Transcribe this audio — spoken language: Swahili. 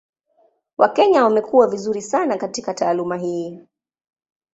Wakenya wamekuwa vizuri sana katika taaluma hii.